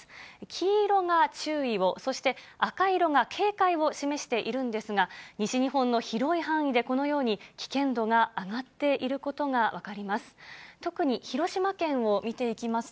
黄色が注意を、そして赤色が警戒を示しているんですが、西日本の広い範囲で、このように危険度が上がっていることが分かります。